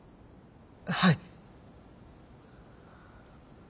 はい。